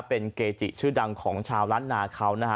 เป็นเกจิชื่อดังของชาวล้านนาเขานะฮะ